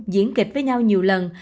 diễn kịch với nhau nhiều lần